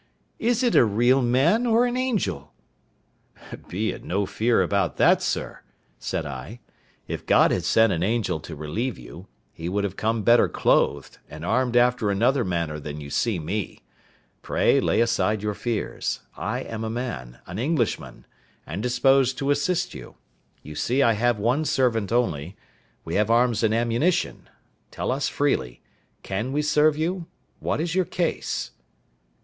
Is it a real man or an angel?" "Be in no fear about that, sir," said I; "if God had sent an angel to relieve you, he would have come better clothed, and armed after another manner than you see me; pray lay aside your fears; I am a man, an Englishman, and disposed to assist you; you see I have one servant only; we have arms and ammunition; tell us freely, can we serve you? What is your case?"